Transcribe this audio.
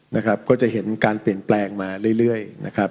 นะครับก็จะเห็นการเปลี่ยนแปลงมาเรื่อยนะครับ